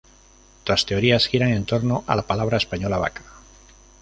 Otras teorías giran en torno a la palabra española Vaca.